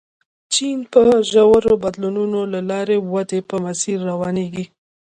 چین به د ژورو بدلونونو له لارې ودې په مسیر روانېږي.